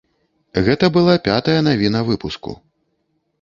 Гэта была пятая навіна выпуску.